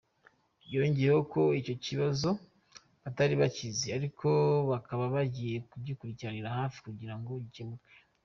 Yangeyeho ko icyo kibazo batari bakizi ariko bakaba bagiye kugikurikiranira hafi kugira ngo gikemuke.